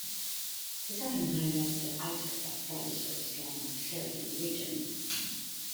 These often highlight the output of producers from a certain region.